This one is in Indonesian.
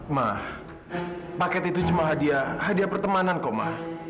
ma paket itu cuma hadiah hadiah pertemanan kok ma